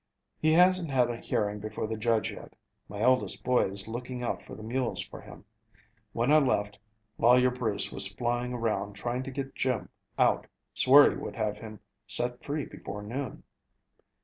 "He hasn't had a hearing before the judge yet. My eldest boy is looking out for the mules for him. When I left, Lawyer Bruce was flying around trying to get Jim out. Swore he would have him set free before noon."